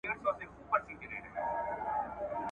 کتابتون د پوهي کور دی.